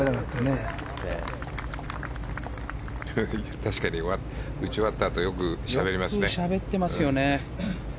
確かに、打ち終わったあとよくしゃべりますよね。